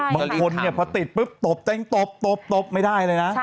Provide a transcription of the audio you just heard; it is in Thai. มันคนนี่พอติดปุ๊บตบแจงตบตบไม่ได้เลยนะ